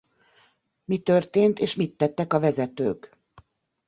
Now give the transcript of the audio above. Mi történt és mit tettek a vezetők?